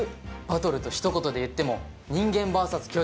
バトルとひと言で言っても人間ｖｓ巨人。